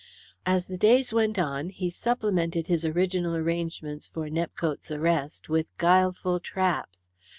As the days went on, he supplemented his original arrangements for Nepcote's arrest with guileful traps.